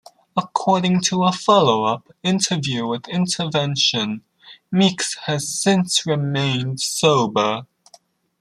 According to a follow-up interview with "Intervention", Meeks has since remained sober.